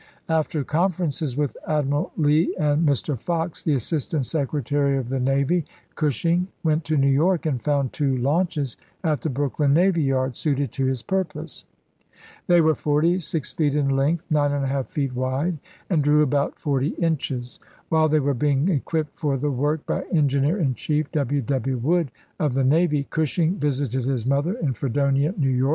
After conferences with Admiral Lee and Mr. Fox, the Assistant Secretary of the Navy, Cushing went to New York and found two launches, at the Brooklyn Navy Yard, suited to his purpose. They were 46 feet in length, 9J feet wide, and drew about 40 inches. While they were being equipped for the work by Engineer in Chief W. W. Wood of the navy, Cushing visited his mother in Fredonia, N. Y.